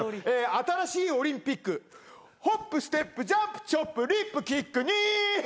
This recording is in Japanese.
「新しいオリンピック」ホップステップジャンプチョップリップキックニー。